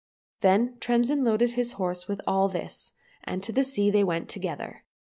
Then Tremsin loaded his horse with all this, and to the sea they went together.